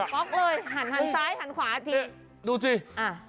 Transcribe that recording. อ่ะปล๊อกเลยหันไซ้หันขวาจะทิ้ง